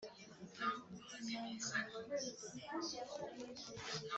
Bakwiye kureka gutura mu manegeka n’ahandi hatemewe guturwa bagatura neza kandi heza